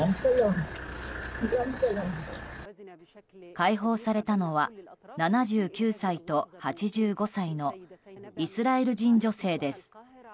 解放されたのは、７９歳と８５歳のイスラエル人女性です。